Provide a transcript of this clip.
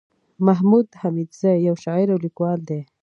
محمود حميدزى يٶ شاعر او ليکوال دئ